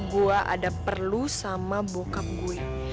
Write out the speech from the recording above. gua ada perlu sama bokap gue